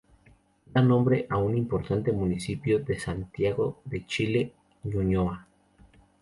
Da nombre a un importante Municipio de Santiago de Chile, Ñuñoa.